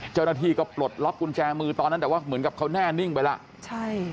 เจ้าหน้าที่ก็ปลดล็อกกุญแจมือตอนนั้นแต่ว่าเหมือนกับเขาแน่นิ่งไปแล้วใช่